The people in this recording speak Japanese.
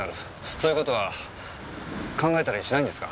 そういうことは考えたりしないんですか？